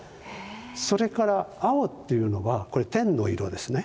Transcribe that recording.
それから青っていうのはこれ天の色ですね。